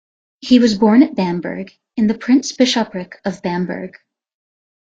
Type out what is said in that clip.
He was born at Bamberg, in the Prince-Bishopric of Bamberg.